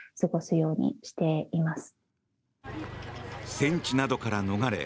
戦地などから逃れ